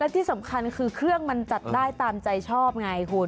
ที่สำคัญคือเครื่องมันจัดได้ตามใจชอบไงคุณ